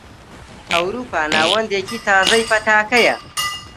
ئەوروپا ناوەندێکی تازەی پەتاکەیە.